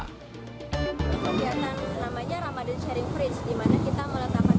kegiatan namanya ramadhan sharing fridge di mana kita meletakkan kulkas